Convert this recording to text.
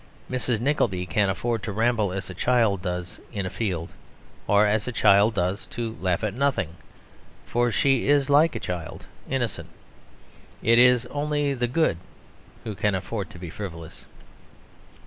Mrs. Nickleby can afford to ramble as a child does in a field, or as a child does to laugh at nothing, for she is like a child, innocent. It is only the good who can afford to be frivolous.